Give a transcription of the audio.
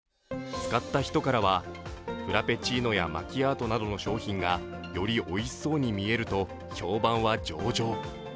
使った人からはフラペチーノやマキアートなどの商品がよりおいしそうに見えると評判は上々。